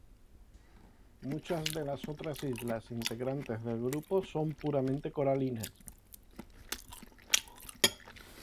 Muchas de las otros islas integrantes del grupo son puramente coralinas.